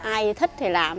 ai thích thì làm